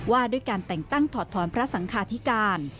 ว่าด้วยการแต่งตั้งถอดถอนพระสังคาธิการ